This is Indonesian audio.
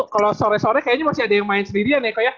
kalau sore sore kayaknya masih ada yang main sendirian yako ya